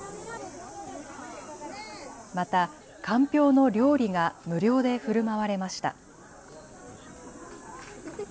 またかんぴょうの料理が無料でふるまわれました。